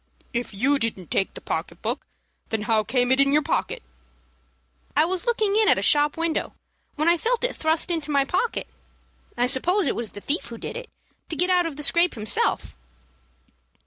"If you didn't take the pocket book, then how came it in your pocket?" "I was looking in at a shop window, when I felt it thrust into my pocket. I suppose it was the thief who did it, to get out of the scrape himself."